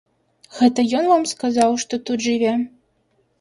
Гэта ён вам сказаў, што тут жыве?